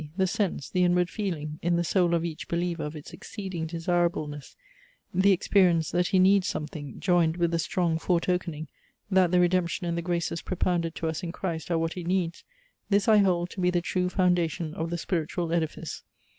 The sense, the inward feeling, in the soul of each believer of its exceeding desirableness the experience, that he needs something, joined with the strong foretokening, that the redemption and the graces propounded to us in Christ are what he needs this I hold to be the true foundation of the spiritual edifice.